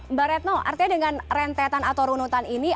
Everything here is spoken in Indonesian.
mbak retno artinya dengan rentetan atau runutan ini